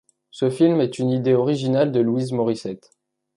Ce film est une idée originale de Louis Morissette.